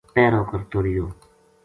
پہرو کرتو رہیو